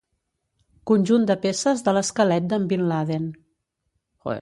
Conjunt de peces de l'esquelet d'en Bin Laden.